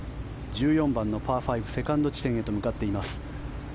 １４番のパー５セカンド地点へと向かっています。